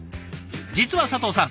実は佐藤さん